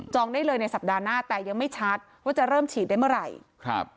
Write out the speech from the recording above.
ได้เลยในสัปดาห์หน้าแต่ยังไม่ชัดว่าจะเริ่มฉีดได้เมื่อไหร่ครับ